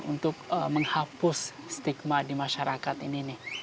untuk menghapus stigma di masyarakat ini nih